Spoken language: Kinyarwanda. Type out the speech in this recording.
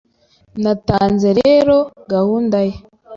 Natanze rero gahunda ye